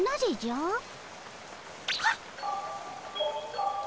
はっ。